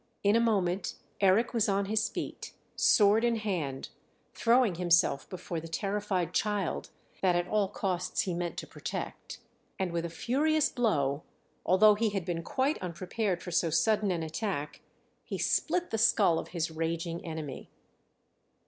In a moment Eric was on his feet, sword in hand, throwing himself before the terrified child, that at all costs he meant to protect! And with a furious blow, although he had been quite unprepared for so sudden an attack, he split the skull of his raging enemy.